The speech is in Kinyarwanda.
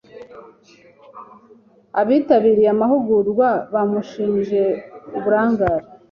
Abitabiriye amahugurwa bamushinje uburangare.